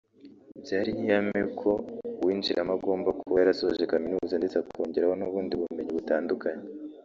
byari nk’ihame ko uwinjiramo agomba kuba yarasoje Kaminuza ndetse akongeraho n’ubundi bumenyi butandukanye